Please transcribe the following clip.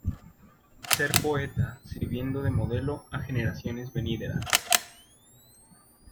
Ser poeta, sirviendo de modelo a generaciones venideras.